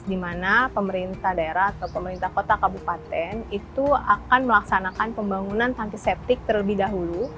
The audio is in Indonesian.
di mana pemerintah daerah atau pemerintah kota kabupaten itu akan melaksanakan pembangunan antiseptik terlebih dahulu